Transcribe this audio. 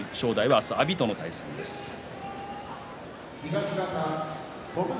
正代は２勝５敗で明日は阿炎との対戦です。